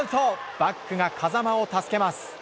バックが風間を助けます。